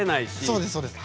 そうですそうです。